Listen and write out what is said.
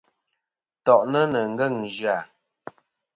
To’ni ni ngeng zya.